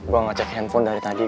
gue ngecek handphone dari tadi